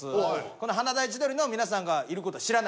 この華大千鳥の皆さんがいる事は知らない。